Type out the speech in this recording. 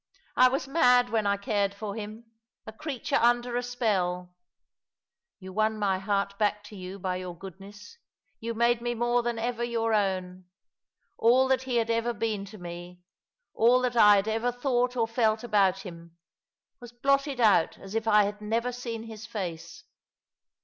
I was mad when I cared for him — a creature under a spell. You won my heart back to you by your goodness — you made me more than ever your own. All that he had ever been to me — all that I had ever thought or felt about him — was blotted out as if I had never seen his face.